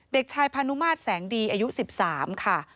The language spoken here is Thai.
เด็กชายพานุมาตรแสงดีอายุ๑๓ค่ะ